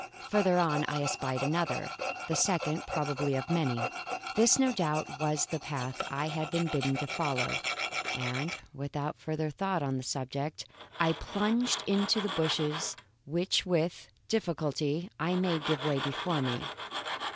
Farther on I espied another the second, probably, of many. This, no doubt, was the path I had been bidden to follow, and without further thought on the subject, I plunged into the bushes which with difficulty I made give way before me.